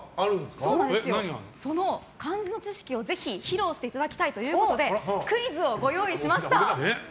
その漢字の知識をぜひ披露していただきたいということでクイズをご用意しました。